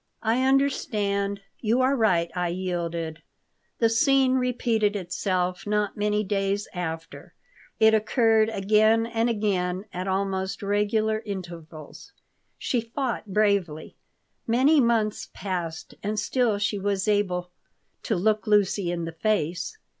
"I understand. You are right," I yielded The scene repeated itself not many days after. It occurred again and again at almost regular intervals. She fought bravely Many months passed, and still she was able "to look Lucy in the face."